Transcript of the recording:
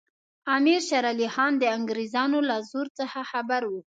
امیر شېر علي خان د انګریزانو له زور څخه خبر وو.